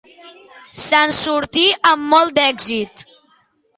Se'n sortí amb molt d'èxit.